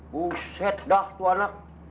buset dah tuh anak